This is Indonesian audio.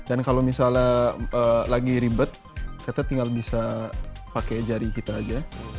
dan kalau misalnya lagi ribet kita tinggal bisa pakai jari kita saja